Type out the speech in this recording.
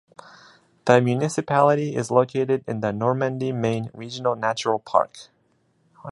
The municipality is located in the Normandy-Maine Regional Natural Park.